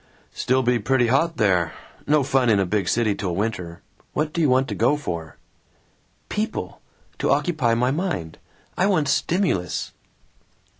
"Still be pretty hot there. No fun in a big city till winter. What do you want to go for?" "People! To occupy my mind. I want stimulus."